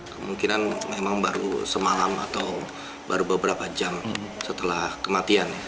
kemungkinan memang baru semalam atau baru beberapa jam setelah kematian